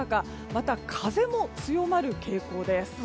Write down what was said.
また、風も強まる傾向です。